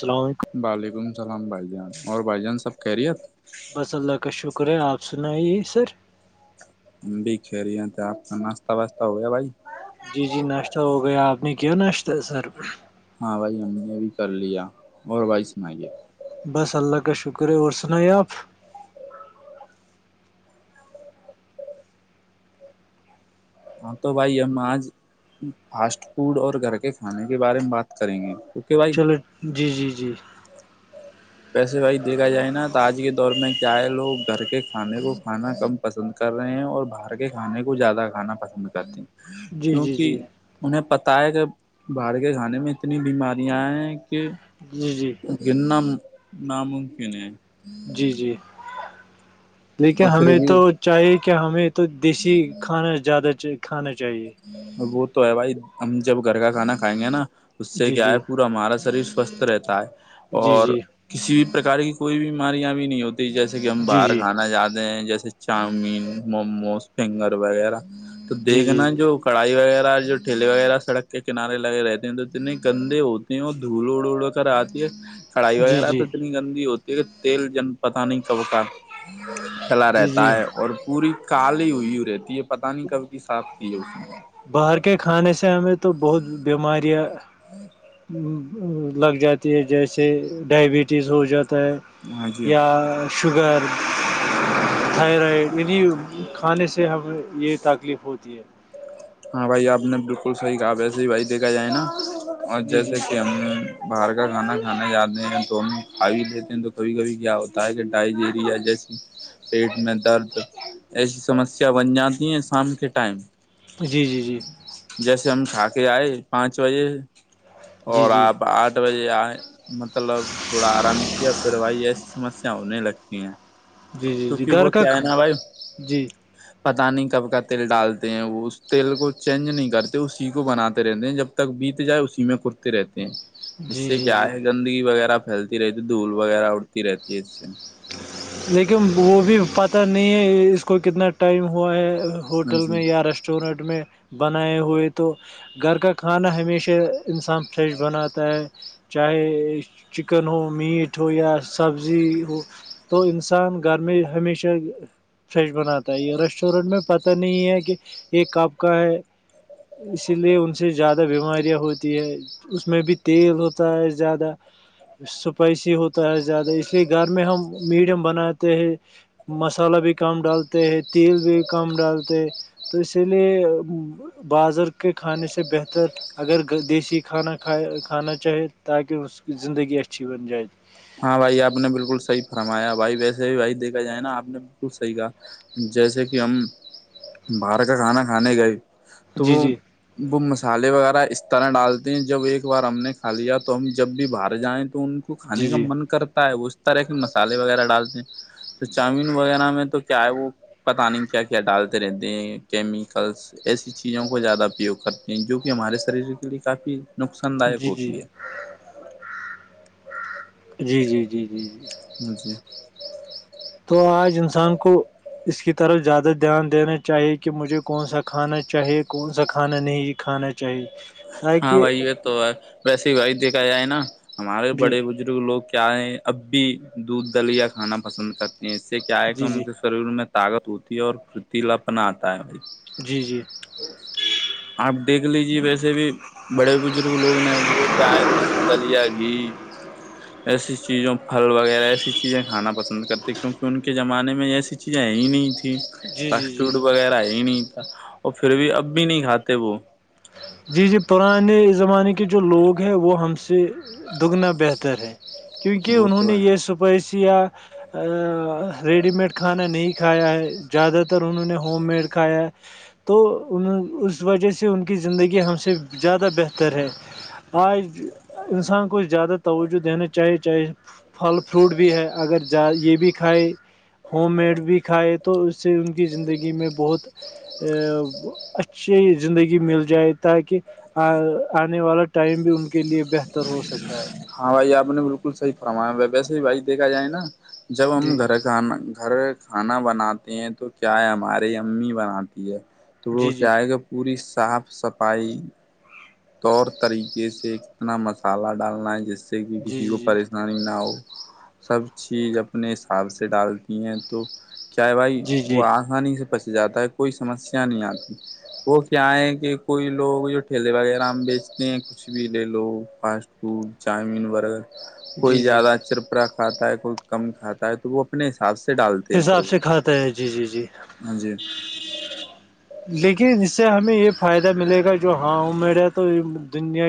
سسلام وعلیکم السلام بھائی جان اور بھائی جان سب کہہ رہیت اللہ کا شکر ہے اپ سنائیں سر ہم بھی کہ رہی ہیں تھے آپ کا ناشہ واشہ ہو گیا بھائی جی جی ناشتہ ہو گیا آپ نے کیا ناشتہ سر ہاں بھائی ہم نے بھی کر لیا اور بھائی سنائیے بس اللہ کا شکر ہے اور سناے آپ ہاں تو بھائی ہم آج فاسٹ فوڈ اور گھر کے کھانے کے بارے میں بات کریں گے اس کے بع چلو جی جی جی پیسے بائی دیکھا جائے نا تو آج کے دور میں کیا ہے لوگ گھر کے کھانے کو کھانا کم پسند کر رہے ہیں اور باہر کے کھانے کو زیادہ کھانا پسند کرتے ہیں جی جی کیونکہ جی انہیں پتاہ ہے کہ باہر کے کھانے میں اتنی بیماریاں ہیں کہ جی جی گنا ن مکین ہے جی جی لیکیکن اور پھر ہمیں بھی تو چاہیے کہ ہمیں تو دیسی کھانا زیادہ کھانا چاہیے وہ تو ہے بھائی ہم جب گھر کا کھانا کھائیں گے نا اس سے جی کیا جی ہے پورا ہمارا شریر سوستھ رہتا ہے جی اور جی کسی بھی پرک کی کوئی بیماریاں بھی نہیں ہوتی جیسے کہ ہم باہر جی جی جی جی کھانا جاتے ہیں جیسے چاؤمین موموز فنگر وغیرہ تو جی جی دیکھنا جی جو کڑھائی وغیرہ جو ٹھیلے وغیرہ سڑک کے کنارے لگے رہتے ہیں تو اتنے گندے ہوتے وہ دھول اڑ اڑ کر آتی ہے کڑھائی جی وغیرہ جی تو اتنی گندی ہوتی ہے کہ تیل جن پت نہیں کب کا کھلا جی رہتا جی ہے اور پوری کالی ہوئی رہتی ہے پتہ نہیں کب کی صاف کی ہے اس نے باہر کے کھانے سے ہمیں تو بہت بیماریاں لگ جاتی ہے جیسے ڈائبٹیز ہو جاتا ہے ہاں جی یا شگر تھائیرائڈ یہعنی کھانے سے ہمیں یہ تکلیف ہوتی ہے ہاں بھائی آپ نے بالکل صحیح کہا ویسے ہی بھائی دیکھا جائے نا اور جی جیسے جی کہ ہم باہر کا کھانا کھانا جاتے ہیں تو ہم کھا بھی لیتے ہیں تو کبھی کبھی کیا ہوتا ہے کہ ڈائجیریا جیسی پیٹ میں درد ایسی سمسیا بن جاتی ہیں شام کے ٹائم جی جی جی جیسے ہم کھا کے آئے پانچ بجے اور جی آپ آٹھ بجے آئے مطلب تھوڑا آرام کیا پھر بھائی ایسی سمسیا ہونے لگتی ہیں جی جی توک جی وہ گھر کا کیا ہے کھان نا بھائی جی پتہ نہیں کب کا تیل ڈالتے ہیں وہ اس تیل کو چینج نہیں کرتے اسی کو بناتے رہتے ہیں جب تک بیت جائے اسی میں کرتے رہتے ہیں اس جی سے جی کیا جی ہے گندگی وغیرہ پھیلتی رہتی ہے دھول وغیرہ اڑتی رہتی ہے اس سے لیکن وہ بھی پتہ نہیں ہے اس کو کتنا ٹائم ہوا ہے ہاں ہوٹل جی میں یا ریسٹورینٹ میں بنائے ہوئے تو گھر کا کھانا ہمیشہ انسان فریش بناتا ہے چاہے چکن ہو میٹ ہو یا سبزی ہو تو انسان گرمی ہمیشہ فریش بناتا ہے یہ ریسٹورینٹ میں پتہ نہیں ہے کہ ایک آپ کا ہے اسی لیے ان سے زیادہ بیماریاں ہوتی ہے اس میں بھی تیل ہوتا ہے زیادہ سپائسی ہوتا ہے زیادہ اس لیے گھر میں ہم میڈیم بناتے ہیں مسالحہ بھی کم ڈالتے ہے تیل بھی کم ڈالتے ہے تو اسی لیے بازر کے کھانے سے بہتر اگر دیسی کھانا کھانا چاہے تاکہ زندگی اچھی ب جائےد ہاں بھائی آپ نے بالکل صحی فرمایا بھائی ویسے بھی بھائی دیکا جائے نا آپ نے بالکل صحی کہا جیسے کہ ہم باہر کا کھانا کھانے گئے تو جی وہ جی وہ مسالحے وغیرہ اس طرح ڈالتے ہیں جب ایک بار ہم نے کھا لیا تو ہم جب بھی باہر جائیں تو ان کو جی کھے کا جی من کرتا ہے اس طرح کے مسالے وغیرہ ڈالتے ہیں تو چاؤمین وغیرہ میں تو کیا ہے وہ پتا نہیں کیا کیا ڈالتے رہتے کیمیکلس ایسی چیزوں کو زیادہ اپیوگ کرتے ہیں جو کہ ہمارے شریر کے لیے کافی نقصان داک جی جی ہوتی ہے جی جی جی جی جی جاں جی تو آج انسان کو اسك کی طرف زیادہ دھیان دینا چاہیے کہ مجھے کون سا کھانا چاہیے کون سا کھانا نہیں کھانا چاہی ہاں تاکہ بھائی یہ تو ہے ویسے ہی بھائی دیکھا جائے نا ہمارے جی بڑے ب لوگ کیا ہے اب بھی دودھ دلیا کھانا پسند کرتے ہیں اس سے کیا ہے کہ جی ان جی شریر میں طاقت ہوتی ہے اور پتیلا اپن آتا ہے بھائی جی جی آپ دیکھ لیجے ویسے بھی بڑے بزرگ لوگ نے وہ چے دودھ دلیا گھی ج ایسی چیزوں پھل وغیرہ ایسی چیزیں کھانا پسند کرتے کیونکہ ان کے زمانے میں ایسی چیزیں ہی نہیں تھیں جی جی فاسٹ جی فوڈ وغیرہ ہے ہی نہیں تھا اور پھر بھی اب بھی نہیں کھاتے وہ جی جی پرانے زمانے کے جو لوگ ہیں وہ ہم سے دگنا بہتر ہے کیونکہ انہوں نے یہ سپیس یا ریڈی میڈ کھانا نہیں کھایا ہے زیادہ تر انہوں نے ہوم میڈ کھایا ہے تو ان اس وجہ سے ان کی زندگی ہم سے زیادہ بہتر ہے آج انسان کو زیادہ توجہ دینا چاہیے چاہے پھل فروٹ بھی ہے اگر ج یہ بھی کھائے ہوم میڈ بھی کھائے تو اس سے ان کی زندگی میں بہت اچھی زندگی مل جائے تاکہ آنے والا ٹائم بھی ان کے لیے بہتر ہو سکتا ہے ہاں بھائی آپ نے بالکل صحی فرمایا ویسے بھی بھائی دیکھا جائے نا جب ہم جی گھر کانا گھر کھانا بناتے ہیں تو کیا ہے ہماری امی بناتی ہے تو وہ جی جی کیا آئے گا پوری صاف صفائی طور طریقے سے کتنا مسالہ ڈالنا ہے جس سے کہ جی جی کسی کو جی نانی نہ ہو سب چیز اپنے حساب سے ڈالتی ہیں تو کیا بھائی جی وہ جی آسانی سے پچ جاتا ہے کوئی سمسیا نہیں آتی وہ کیا ہے کہ کوئی لوگ جو ٹھیلے والے ہم بیچتے ہیں کچھ بھی لے لو فاسٹ فوڈ چاؤمین برگر جی کوئی جی زیادہ چرپرا کھاتا ہے کوئی کم کھاتا ہے تو وہ اپنے حساب سے ڈالتا حساب سے کھاتا ہے جی جی جی ہاں جی لیکن اس سے ہمیں یہ فائدہ ملے گا جو ہاں عمر ہے تو یہ دنیا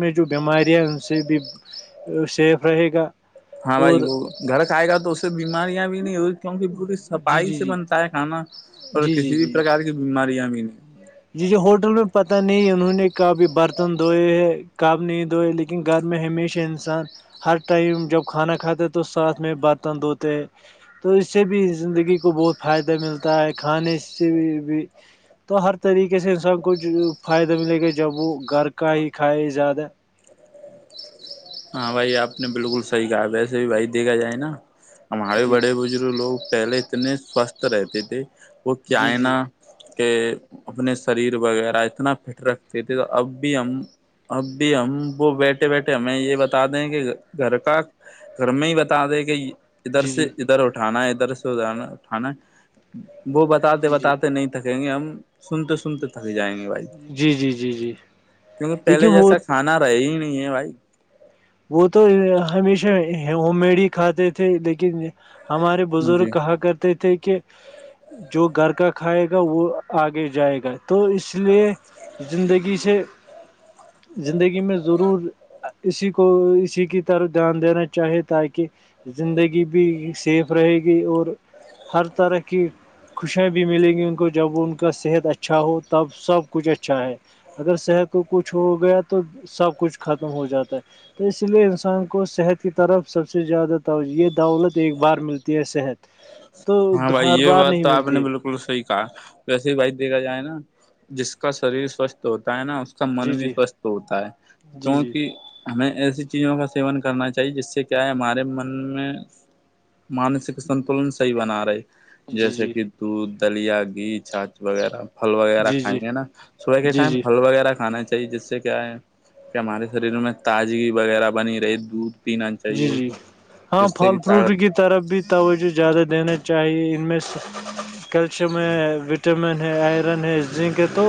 میں جو بیماریاں ان سے بھی سیف رہے گا ہاں بھائی اور وہ گھر کا آئے گا تو اس بیماریاں بھی نہیں ہوئی کیونکہ پوری جی صفائی جی سے جی بنتا ہے کھانا اور جی جی کسی بھی جی پرکار کی بیمارییاں بھی نہیں جی جو ہوٹل میں پتہ نہیں انہوں نے کاب برتن دھوئے ہیں کاب نہیں دوئے لیکن لیکن گھر میں ہمیشہ انسان ہر ٹائم جب کھانا کھاتے ہے تو ساتھ میں برتن دھوتے تو اس سے بھی زندگی کو بہت فائدہ ملتا ہے کھانے سے بھی بھی تو ہر طریقے سے انسان کو فائدہ ملے گا جب وہ گھر کا ہی کھائے زیادہ ہاں بھائی آپ نے بالکل صحیح کہا ویسے بھی بھائی دیکھا جائے نا ہمارے جی بڑے بزرگ لوگ پہلے اتنے سوستھ رہتے تھے وہ جی کیائنا جی کہ اپنے شریر وغیرہ اتنا فٹ رکھتے تھے تو اب بھی ہم اب بھی ہم وہ بیٹھے بیٹھے ہمیں یہ ب دیں کہ گھر کا گھر میں ہی بتا دیں کہ ادھر جی جی سے ادھر ادھر اٹھانا ہے ادھر سے ادھر اٹھانا ہے وہ بتاتے جی جی بتاتے نہیں تھکیں گے ہم سنتے سنتے تھک جائیں گے بھائی جی جی جی جی کیونکہ پہلے دیکھیے وہ جیسا کھانا رہے ہی نہیں ہے بھائی وہ تو ہمیشہ ہوم میڈ ہی کھاتے تھے لیکن ہمارے بزرگ جی کہا کر تھے کہ جو گھر کا کھائے گا وہ آگے جائے گا تو اس لیے زندگی سے زندگی میں ضرور اسی کو اسی کی طرف دھیان دینا چاہے تاکہ زندگی بھی سیف رہے گی اور ہر طرح کی خوشیاں بھی ملیں گی ان کو جب ان کا صحت اچھا ہو تب سب کچھ اچھا ہے اگر صحت کو کچھ ہو گیا تو سب کچھ ختم ہو جاتا ہے تو اسی لیے انسان کو صحت کی طرف سب سے زیادہ توجہ یہ دولت ایک بار ملتی ہے صحت تو ہار بار نہیں ملتی ہے کلسی کا ویسے بھائی دیکھا جائے نا جس کا شریر سوستھ ہوتا ہے نا اس اس کا جی من بھی جی سوستھ ہوتا ہے جی جی کیونک ہمیں ایسی چیزوں کا سیون کرنا چاہیے جس سے کیا ہے ہمارے من میں مانسک سنتلن سے صحی بنا رہے جی جیسے جی کہ دودھ دلیا گھی چاچ وغیرہ پھل وغیرہ جی جی کھاے نا صبح کے جی ٹائم جی پھل وغیرہ کھا ناچاہیے جس سے کیا ہے کہ ہمارے شریر میں تازگی وغیرہ بنی رہی دودھ پینا جی چاہیے جی ہاں جس سے پھل کہ فروٹ طاقت کی طرف بھی توجہ زیادہ دینا چاہیے ان میں کیلشیم میں وٹامن ہے آئرن ہے زنک ہے تو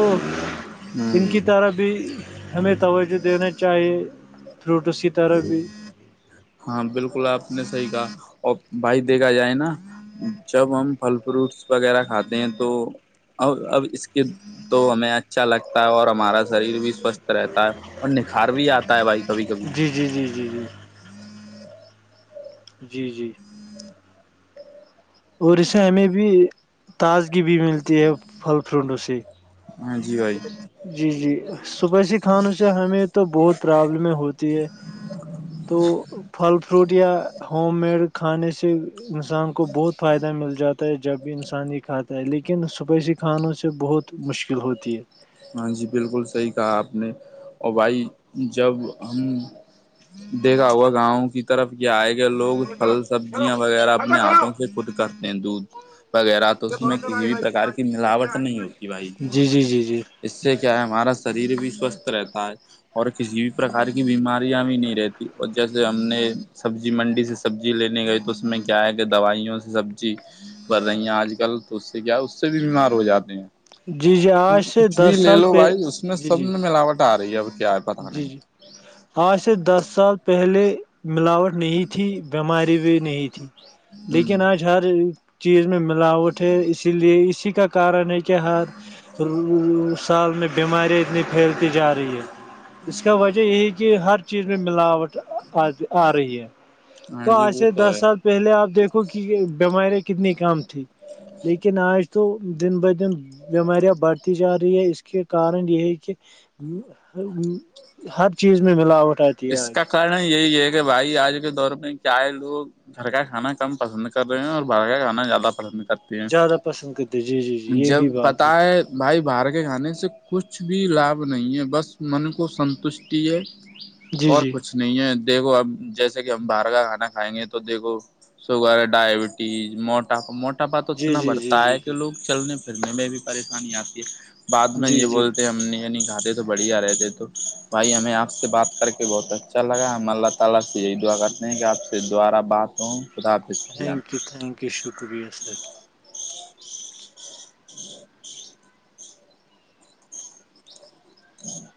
ان ہ کی طرح بھی ہمیں توجہ دینا چاہیے فروٹس کی طرح بھی ہاں بالکل آپ نے صحیح کہا اور بھائی دیکھا جائے نا جب ہم پھل فروٹس وغیرہ کھاتے ہیں تو ا اب اس کے تو ہمیں اچھا لگتا ہے اور ہمارا شریر بھی سوستھ رہتا ہے اور نکھار بھی آتا ہے بھائیک کبھی کبھی جی جی جی جی [unintelligible] جی جی اور اسے ہمیں بھی تازگی بھی ملتی ہے پھل فروٹ اسے ہاں جی بھائی جی جی سپسی کھانوں سے ہمیں تو بہت پرابلمیں ہوتی ہے تو پھل فروٹ یا ہوم میڈ کھانے سے انسان کو بہت فائدہ مل جاتا ہوتا ہے جب بھی انسان ہی کھاتا ہے لیکن سپائسی کھانوں سے بہت مشکل ہوتی ہے ہاں جی بالکل صحیح کہا آپ نے اور بھائی جب ہم دیکھا ہوا گاؤں کی طرف کیا آئے گ لوگ پھل سبزیاں وغیرہ اپنے ہاتھوں سے خود کرتے ہیں دودھ وغیرہ تو اس میں کسی بھی پرک کی ملاوٹ نہیں ہوتی بھائی ہے جی جی جی جی اس سے کیا ہے ہمارا شریر بھی سوستھ رہتا ہے اور کسی بھی پرکار کی بیماریاں بھی نہیں رہتی اور جیسے ہم نے سبزی منڈی سے سبزی لینے گئے تو اس میں کیا ہے کہ دوائیوں سے سبزی بڑھ رہی ہیں آج کل تو اس سے کیا اس سے بھی بیمار ہو جاتے ہیں جی جی آج کیونکہ سے کچھ بھی دس لے سال لو پہ بھائی اس میں جی سب جی میں ملاوٹ آ رہی ہے اب کیا پتہ جی نہیں جی آج سے دس سال پہلے ملاوٹ نہیں تھی بیماری بھی نہیں تھی ہ لیکن آج ہر چیز میں ملاوٹ ہے اسی لیے اسی کا کارن ہے کیا حال سال میں بیماریاں اتنی پھیلتی جا رہی ہیں اس کا وجہ یہی کہ ہر چیز میں ملاوٹ آ رہی ہے تو ہاں جی آج وہ سے تو دس ہے سال پہلے آپ دیکھو کہ بیمارییا کتنی کم تھی لیکن آج تو دن بہ دن بیماریاں بڑھتی جا رہی ہے اس کے کارن یہ ہے کہ ہر چیز میں ملاوٹ آتی ہے اس کا آج کارن یہی ہے کہ بھائی آج کے دور میں کیا ہے لوگ گھر کا کھانا کم پسند کر رہے ہیں اور باہر کا کھانا زیادہ پسند کر زیادہ پسند کرتے جی جی جی یہ جب بھی پت بات ہے بھائی باہر کے کھانے سے کچھ بھی لابھ نہیں ہے بس من کو سنتوشٹی ہے جی اور جی کچھ نہیں ہے دیکھو اب جیسے کہ ہم باہر کا کھانا کھائیں گے تو دیکھو شوگر ڈائبٹیز موٹاپا موٹاپا تو جی اتنا جی جی بڑھتا جی ہے کہ جی لوگ چلنے پھرنے میں بھی پریشانی آتی ہے بعد میں جی یہ جی بولتے ہم نے یی نہی کھاتے بڑھیا رہتے تو بھائی ہمیں آپ سے بات کر کے بہت اچھا لگا ہے ہم اللہ تعالی سے یہی دعا کرتے ہیں کہ آپ سے دوبارہ بات ہوں خدا حافظ بھیا تھینک یو تھینک یو شکریہ سر ہ [inaudible]